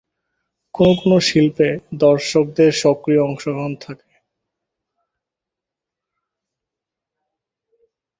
কোনো কোনো শিল্পে দর্শকদের সক্রিয় অংশগ্রহণ থাকে।